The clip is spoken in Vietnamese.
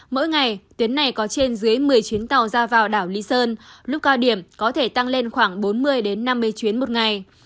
mỗi ngày tuyến này có trên dưới một mươi chuyến tàu ra vào đảo lý sơn lúc cao điểm có thể tăng lên khoảng bốn mươi năm mươi chuyến một ngày